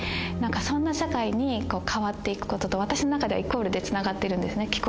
何かそんな社会に変わっていくことと私の中ではイコールでつながってるんですね。